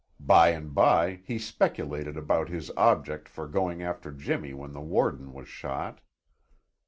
By and by he speculated about his object for going after Jimmy when the warden was shot.